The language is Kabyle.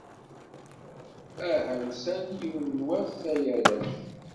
Ahaw san yiwen n wass, ay arrac!